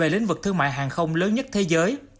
lớn nhất thế giới